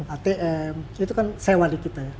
atm itu kan sewa di kita